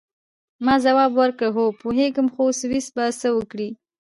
ما ځواب ورکړ: هو، پوهیږم، خو سویس به څه وکړي؟